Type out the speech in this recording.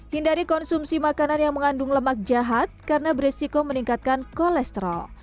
hindari konsumsi makanan yang mengandung lemak jahat karena beresiko meningkatkan kolesterol